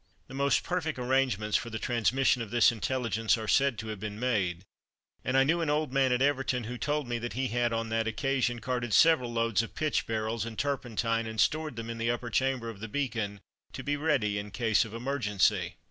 The most perfect arrangements for the transmission of this intelligence are said to have been made; and I knew an old man at Everton who told me that he had on that occasion carted several loads of pitch barrels and turpentine and stored them in the upper chamber of the Beacon to be ready in case of emergency.